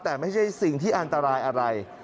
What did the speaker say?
แต่ไม่ใช่สิ่งที่อันตรายอะไร